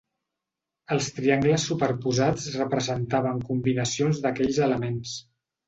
Els triangles superposats representaven combinacions d"aquells elements.